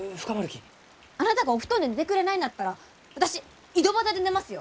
あなたがお布団で寝てくれないんだったら私井戸端で寝ますよ！